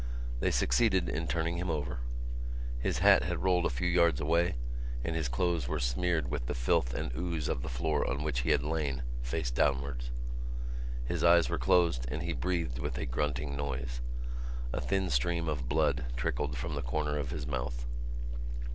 They succeeded in turning him over. His hat had rolled a few yards away and his clothes were smeared with the filth and ooze of the floor on which he had lain, face downwards. His eyes were closed and he breathed with a grunting noise. A thin stream of blood trickled from the corner of his mouth.